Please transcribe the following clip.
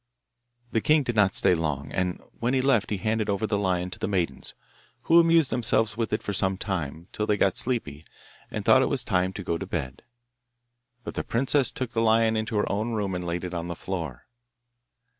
The king did not stay long, and when he left he handed over the lion to the maidens, who amused themselves with it for some time, till they got sleepy, and thought it was time to go to bed. But the princess took the lion into her own room and laid it on the floor.